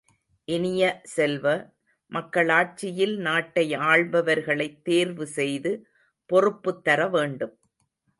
இனிய செல்வ, மக்களாட்சியில் நாட்டை ஆள்பவர்களைத் தேர்வு செய்து பொறுப்புத் தரவேண்டும்.